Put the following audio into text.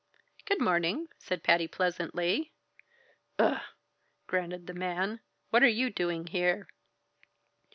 "Good morning!" said Patty pleasantly. "Ugh!" grunted the man. "What are you doing there?"